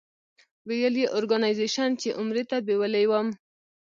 ویل یې اورګنایزیش چې عمرې ته بېولې وم.